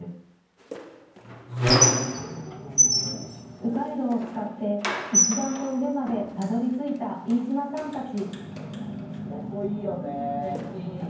う回路を使って石段の上までたどりついた飯島さんたち。